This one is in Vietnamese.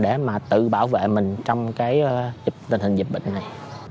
để mà tự bảo vệ mình trong cái tình hình dịch bệnh này